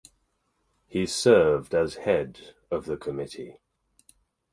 He served as head of the committee.